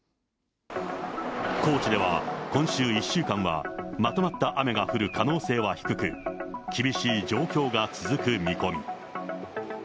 高知では、今週１週間はまとまった雨が降る可能性は低く、厳しい状況が続く見込み。